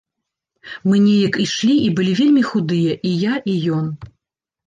Мы неяк ішлі, і былі вельмі худыя, і я, і ён.